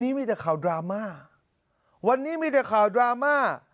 มีแต่ข่าวดราม่าวันนี้มีแต่ข่าวดราม่า